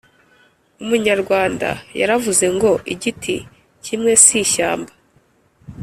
umunyarwanda yaravuze ngo : “igiti kimwe si ishyamba”